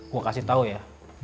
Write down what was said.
gue kasih tau ya